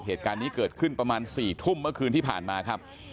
เหตุการณ์นี้เกิดขึ้นประมาณ๔ทุ่มเมื่อคืนที่ผ่านมาครับ